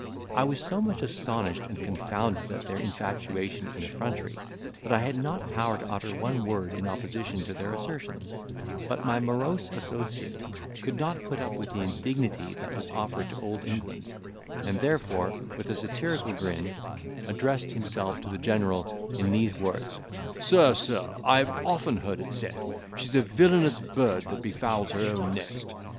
I was so much astonished and confounded at their infatuation and effrontery, that I had not power to utter one word in opposition to their assertions; but my morose associate could not put up with the indignity that was offered to Old England, and therefore with a satirical grin addressed himself to the general in these words: "Sir, sir, I have often heard it said, She's a villainous bird that befouls her own nest.